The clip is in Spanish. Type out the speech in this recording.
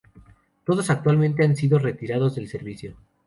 Todos actualmente han sido retirados del servicio.